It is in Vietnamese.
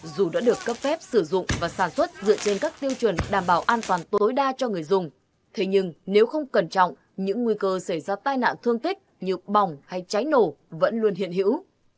dù đã được cấp phép sử dụng và sản xuất dựa trên các tiêu chuẩn đảm bảo an toàn tối đa cho người dùng thế nhưng nếu không cẩn trọng những nguy cơ xảy ra tai nạn thương tích như bỏng hay cháy nổ vẫn luôn hiện hữu